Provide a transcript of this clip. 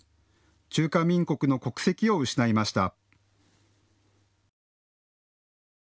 中華民国の国籍を失いました。